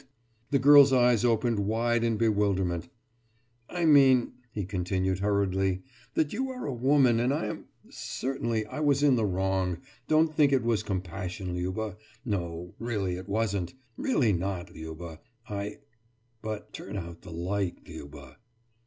« The girl's eyes opened wide in bewilderment. »I mean,« he continued hurriedly, »that you are a woman and I am ... certainly I was in the wrong.... Don't think it was compassion, Liuba. No, really it wasn't. Really not, Liuba. I ... but turn out the light, Liuba.